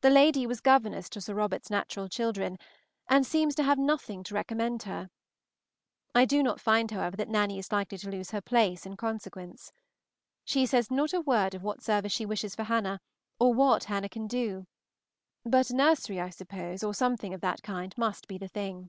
The lady was governess to Sir Robert's natural children, and seems to have nothing to recommend her. I do not find, however, that Nanny is likely to lose her place in consequence. She says not a word of what service she wishes for Hannah, or what Hannah can do; but a nursery, I suppose, or something of that kind, must be the thing.